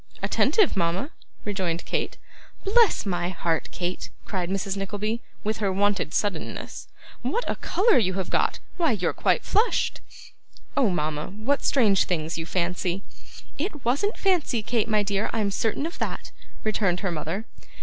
'Attentive, mama!' rejoined Kate. 'Bless my heart, Kate!' cried Mrs. Nickleby, with her wonted suddenness, 'what a colour you have got; why, you're quite flushed!' 'Oh, mama! what strange things you fancy!' 'It wasn't fancy, Kate, my dear, I'm certain of that,' returned her mother.